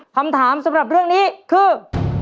คำถามสำหรับเรื่องนี้คือ